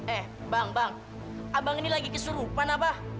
eh bang bang abang ini lagi kesurupan abah